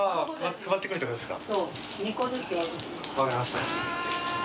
配ってくるって事ですか？